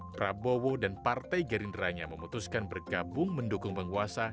prabowo dan partai gerindranya memutuskan bergabung mendukung penguasa